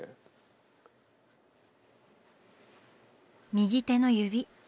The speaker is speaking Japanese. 右手の指。